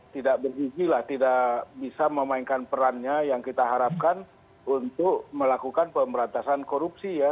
tidak bergizi lah tidak bisa memainkan perannya yang kita harapkan untuk melakukan pemberantasan korupsi ya